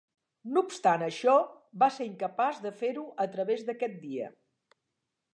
No obstant això, va ser incapaç de fer-ho a través d'aquest dia.